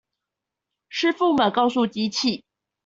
師傅們告訴機器